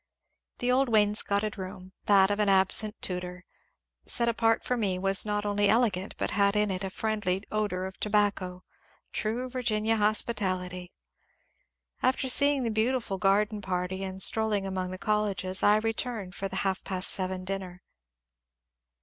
The old wainscotted room — that of an absent tutor — set apart for me was not only elegant but had in it a friendly odour of tobacco, — true Virginia hospitality. After seeing the beautiful garden party and strolling among the colleges, I returned for the half past seven dinner.